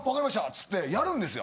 つってやるんですよ。